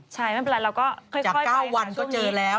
ใช่ไม่เป็นไรเราก็ค่อยไปช่วงนี้จาก๙วันก็เจอแล้ว